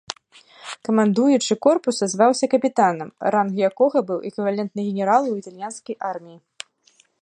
Камандуючы корпуса зваўся капітанам, ранг якога быў эквівалентны генералу ў італьянскай арміі.